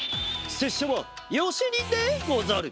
せっしゃはよし忍でござる！